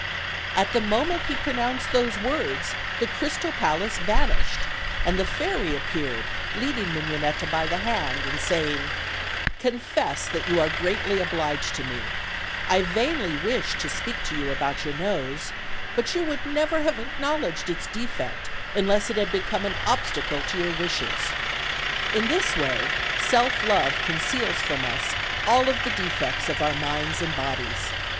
At the moment he pronounced those words the crystal palace vanished, and the fairy appeared leading Migno netta by the hand, and saying: "Confess that you are greatly obliged to me; I vainly wished to speak to you about your nose, but you would never have acknowledged its defect unless it had become an obstacle to your wishes. In this way self love conceals from us all the defects of our minds and bodies.